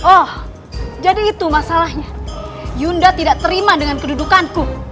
oh jadi itu masalahnya yunda tidak terima dengan kedudukanku